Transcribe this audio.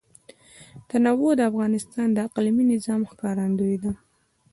تنوع د افغانستان د اقلیمي نظام ښکارندوی ده.